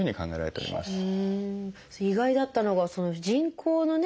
意外だったのが人工のね